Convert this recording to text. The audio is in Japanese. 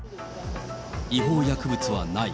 違法薬物はない。